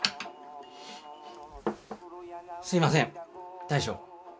すいません大将。